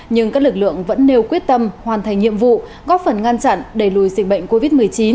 nhưng các lực lượng vẫn nêu quyết tâm hoàn thành nhiệm vụ góp phần ngăn chặn đẩy lùi dịch bệnh covid một mươi chín